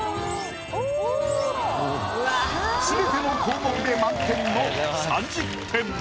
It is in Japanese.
全ての項目で満点の３０点。